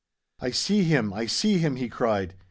'I see him! I see him!' he cried.